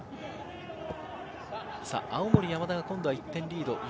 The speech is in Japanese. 青森山田が１点リード。